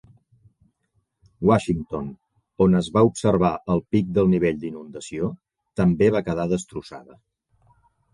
Washington, on es va observar el pic del nivell d'inundació, també va quedar destrossada.